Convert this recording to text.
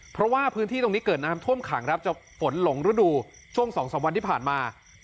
เพราะว่าพื้นที่ตรงนี้เกิดน้ำท่วมขังครับจะฝนหลงฤดูช่วง๒๓วันที่ผ่านมา